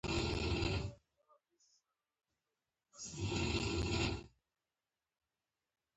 الماني _انګرېزي_ پښتو قاموس